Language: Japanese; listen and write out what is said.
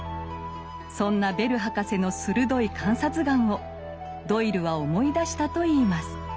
そんなベル博士の鋭い観察眼をドイルは思い出したといいます。